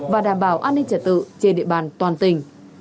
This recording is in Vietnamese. và đảm bảo an ninh trật tự trên địa bàn toàn tỉnh